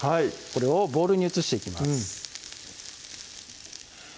これをボウルに移していきます